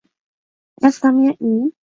一心一意？